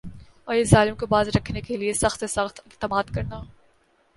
اور یِہ ظالم کو باز رکھنا کا لئے سخت سے سخت اقدامات کرنا